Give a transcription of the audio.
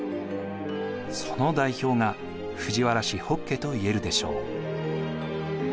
その代表が藤原氏北家といえるでしょう。